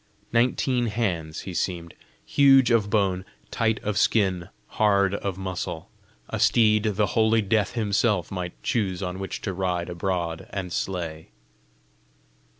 Nineteen hands he seemed, huge of bone, tight of skin, hard of muscle a steed the holy Death himself might choose on which to ride abroad and slay!